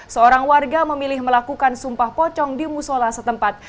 seorang warga memilih melakukan sumpah pocong di musola setempat